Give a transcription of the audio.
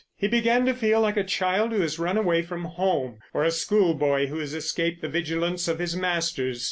He began to feel like a child who has run away from home, or a schoolboy who has escaped the vigilance of his masters.